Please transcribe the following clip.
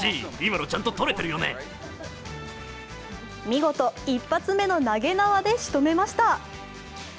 見事、一発目の投げ縄で仕留めました。